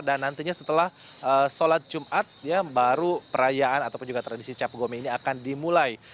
dan nantinya setelah sholat jumat baru perayaan ataupun juga tradisi cap gome ini akan dimulai